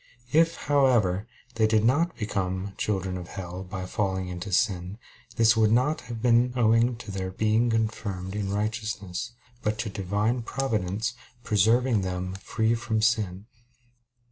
If, however, they did not become "children of hell" by falling into sin, this would not have been owing to their being confirmed in righteousness, but to Divine Providence preserving them free from sin.